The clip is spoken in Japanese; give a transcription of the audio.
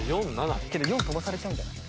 けど４飛ばされちゃうんじゃない？